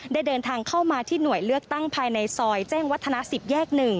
เดินทางเข้ามาที่หน่วยเลือกตั้งภายในซอยแจ้งวัฒนา๑๐แยก๑